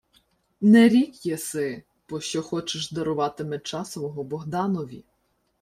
— Не рік єси, пощо хочеш дарувати меча свого Богданові.